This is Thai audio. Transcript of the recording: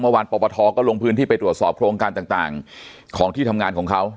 วันปปทก็ลงพื้นที่ไปตรวจสอบโครงการต่างของที่ทำงานของเขา